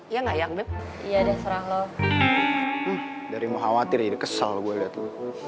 iya gak ayang bep iya deh serah lo dari mau khawatir jadi kesel gua liat lu